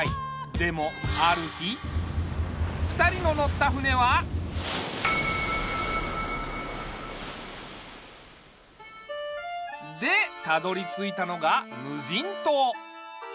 でもある日２人の乗った船は。でたどりついたのがむじんとう。